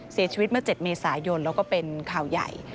เสียชีวิตเมื่อ๗เมษายนแล้วก็เป็นข่าวใหญ่